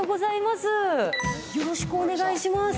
よろしくお願いします。